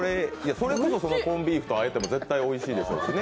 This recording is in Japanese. それこそコンビーフとあえても絶対おいしいでしょうしね。